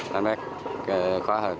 là tám mét khóa hợp